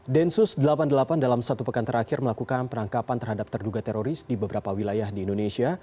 densus delapan puluh delapan dalam satu pekan terakhir melakukan penangkapan terhadap terduga teroris di beberapa wilayah di indonesia